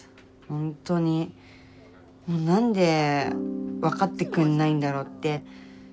ほんとにもう何で分かってくれないんだろうって。